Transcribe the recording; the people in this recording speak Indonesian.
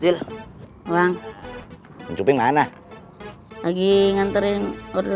setelah disini udah magis aja gini lo